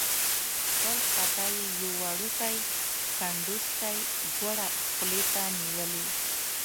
بل خوا ته یې یو وړوکی کنډوسکی ګوړه خولې ته نیولې.